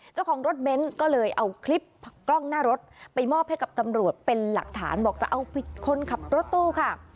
เจ้าของรถเบนท์ก็เลยเอาคลิปกล้องหน้ารถไปมอบให้กับตำรวจเป็นหลักฐานบอกจะเอาผิดคนขับรถตู้ค่ะ